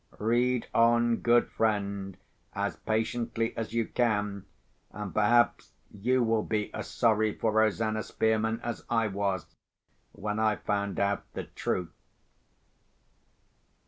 Read on, good friend, as patiently as you can, and perhaps you will be as sorry for Rosanna Spearman as I was, when I found out the truth.